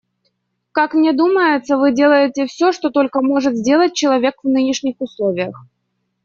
Как мне думается, вы делаете все, что только может сделать человек в нынешних условиях.